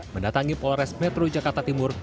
mendatangi polres metro jakarta timur